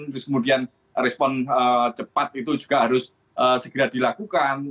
terus kemudian respon cepat itu juga harus segera dilakukan